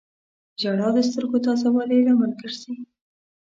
• ژړا د سترګو تازه والي لامل ګرځي.